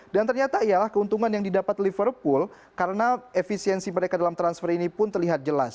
dan ternyata ialah keuntungan yang didapat liverpool karena efisiensi mereka dalam transfer ini pun terlihat jelas